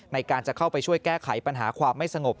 ในการจะเข้าไปช่วยแก้ไขปัญหาความไม่สงบ